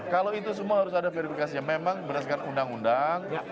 kalau itu semua harus ada verifikasi yang memang berdasarkan undang undang